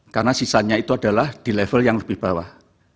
karena sisanya itu adalah di level yang lebih bawah